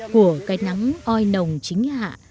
của cái nắng oi nồng chính hạ